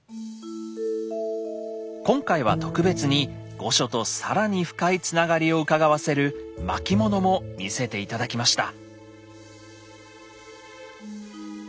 今回は特別に御所と更に深いつながりをうかがわせる巻物も見せて頂きました。